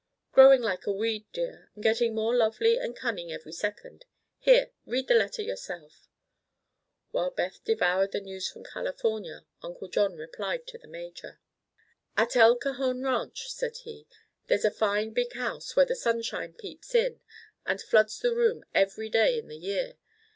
"Growing like a weed, dear, and getting more lovely and cunning every second. Here—read the letter yourself." While Beth devoured the news from California Uncle John replied to the major. "At El Cajon Ranch," said he, "there's a fine big house where the sunshine peeps in and floods the rooms every day in the year.